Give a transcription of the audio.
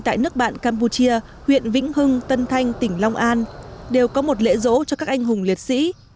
tại nước bạn campuchia huyện vĩnh hưng tân thanh tỉnh long an đều có một lễ rỗ cho các anh hùng liệt sĩ